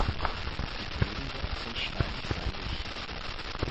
Die Böden dort sind steinig-sandig.